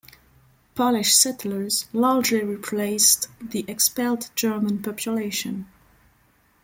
Polish settlers largely replaced the expelled German population.